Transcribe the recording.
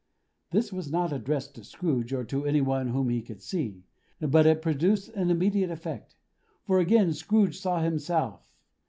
This was not addressed to Scrooge, or to any one whom he could see, but it produced an immediate effect. For again Scrooge saw himself.